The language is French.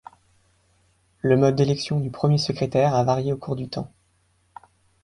Le mode d'élection du premier secrétaire a varié au cours du temps.